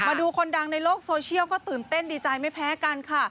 มาดูคนดังในโลกโซเชียลก็ตื่นเต้นดีใจไม่แพ้กันค่ะ